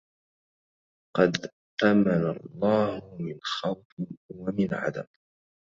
قد أمن الله من خوف ومن عدم